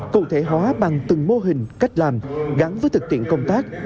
cụ thể hóa bằng từng mô hình cách làm gắn với thực tiễn công tác